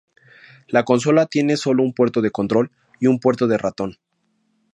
La consola tiene sólo un puerto de control, y un puerto de ratón.